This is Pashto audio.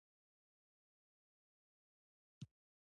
یو څه ورکولای سي.